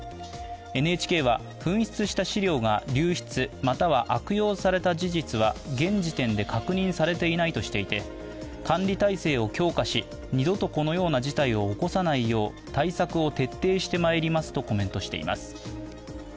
ＮＨＫは、紛失した資料が流出、または悪用された事実は現時点で確認されていないとしていて管理体制を強化し、二度とこのような事態を起こさないよう対策を徹底してまいりますとコメントしています。